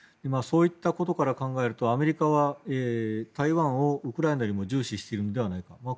そういったことから考えるとアメリカは台湾をウクライナよりも重視しているのではないかと。